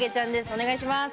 お願いします。